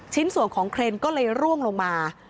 ชิ้นส่วนของเครนก็เลยร่วงลงมา